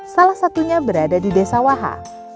salah satunya berada di desa wahha